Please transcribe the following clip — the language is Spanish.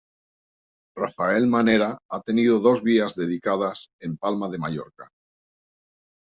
Rafael Manera ha tenido dos vías dedicadas en Palma de Mallorca.